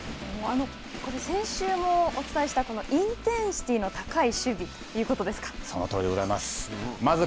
これ、先週もお伝えしたインテンシティの高い守備というそのとおりでございます。